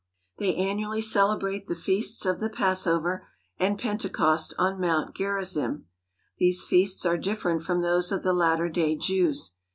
They annually celebrate the feasts of the Passover and Pentecost on Mount Gerizim. These feasts are different from those of the latter day Jews.